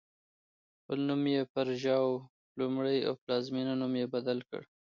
خپل نوم یې پر ژواو لومړی او پلازمېنې نوم یې بدل کړ.